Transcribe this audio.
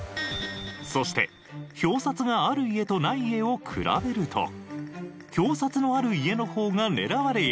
そして表札がある家とない家を比べると表札のある家の方が狙われやすい。